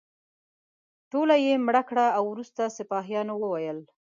ټوله یې مړه کړه او وروسته سپاهیانو وویل.